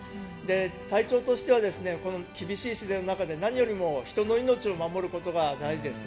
隊長としては厳しい自然の中で何よりも人の命を守ることが大事です。